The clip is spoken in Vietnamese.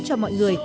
cho mọi người